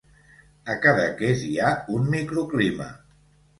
A Cadaqués hi ha un microclima.